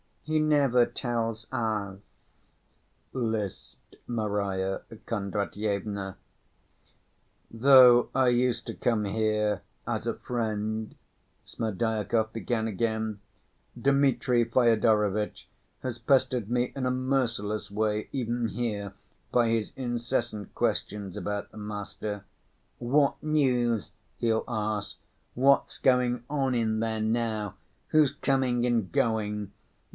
"He never tells us," lisped Marya Kondratyevna. "Though I used to come here as a friend," Smerdyakov began again, "Dmitri Fyodorovitch has pestered me in a merciless way even here by his incessant questions about the master. 'What news?' he'll ask. 'What's going on in there now? Who's coming and going?